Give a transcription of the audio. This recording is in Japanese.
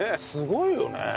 すごいよね。